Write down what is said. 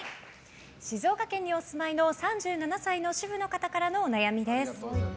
静岡県にお住まいの３７歳の主婦の方からのお悩みです。